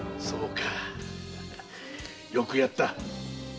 そうかよくやった。